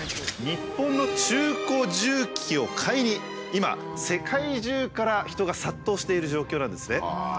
日本の中古重機を買いに今世界中から人が殺到している状況なんですね。